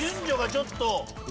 順序がちょっと。